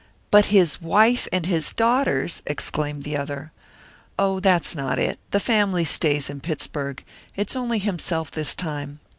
"But his wife and his daughters!" exclaimed the other. "Oh, that's not it the family stays in Pittsburg. It's only himself this time.